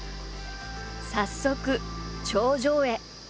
早速頂上へ。